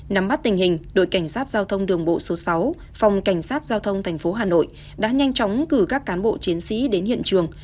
nắm bắt tình hình đội cảnh sát giao thông đường bộ số sáu phòng cảnh sát giao thông tp hà nội đã nhanh chóng cử các cán bộ chiến sĩ đến hiện trường